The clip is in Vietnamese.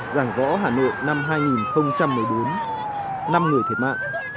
giảng võ hà nội năm hai nghìn một mươi bốn năm người thiệt mạng